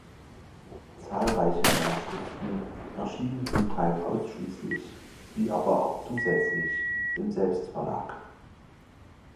Zahlreiche seiner Schriften erschienen zum Teil ausschließlich wie aber auch zusätzlich im Selbstverlag.